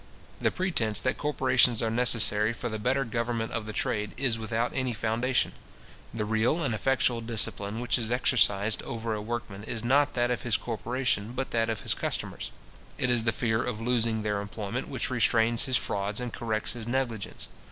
The pretence that corporations are necessary for the better government of the trade, is without any foundation. The real and effectual discipline which is exercised over a workman, is not that of his corporation, but that of his customers. It is the fear of losing their employment which restrains his frauds and corrects his negligence.